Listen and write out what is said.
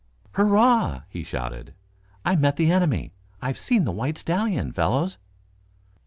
"Hurrah!" he shouted. "I met the enemy. I've seen the white stallion, fellows!"